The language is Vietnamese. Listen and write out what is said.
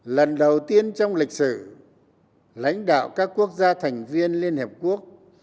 lần đầu tiên trong lịch sử lãnh đạo các quốc gia thành viên liên hiệp quốc